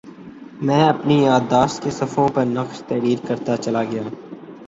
میں اپنی یادداشت کے صفحوں پر نقش تحریر کرتاچلا گیا